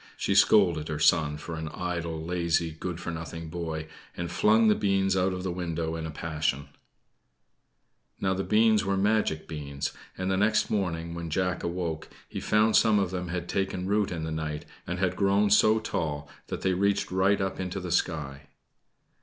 She scolded her son for an idle, lazy, good for nothing boy, and flung the beans out of the window in a passion. Now the beans were magic beans, and the next morning, when Jack awoke, he found some of them had taken root in the night and had grown so tall, that they reached right up into the sky.